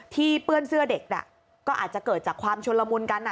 เปื้อนเสื้อเด็กก็อาจจะเกิดจากความชนละมุนกัน